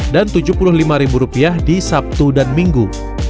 dan rp tujuh puluh lima di sabtu dan minggu